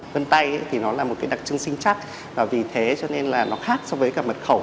vân tay thì nó là một cái đặc trưng sinh chắc vì thế cho nên là nó khác so với cả mật khẩu